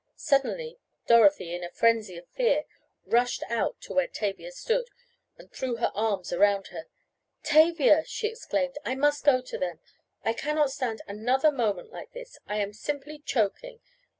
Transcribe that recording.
Suddenly Dorothy, in a frenzy of fear, rushed out to where Tavia stood, and threw her arms around her. "Tavia," she exclaimed, "I must go to them. I cannot stand another moment like this I am simply choking.